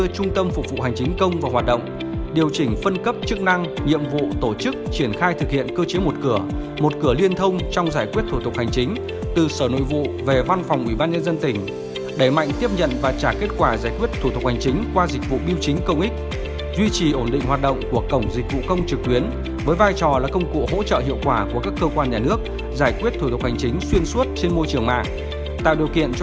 cụ thể để nâng cao hiệu quả thực hiện cơ chế một cửa một cửa liên thông trong giải quyết thủ tục hành chính tạo điều kiện thuận lợi tảm bảo hướng dẫn chính xác rõ ràng đầy đủ tiết kiệm thời gian hoàn thành hồ sơ cho người dân và doanh nghiệp khi thực hiện các thủ tục hành chính với cơ quan nhà nước